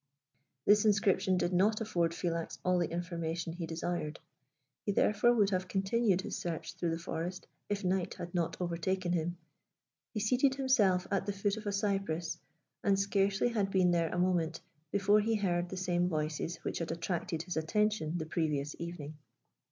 This inscription did not afford Philax all the information he desired; he therefore would have continued his search through the forest if night had not overtaken him. He seated himself at the foot of a cypress, and scarcely had been there a moment, before he heard the same voices which had attracted his attention the previous evening.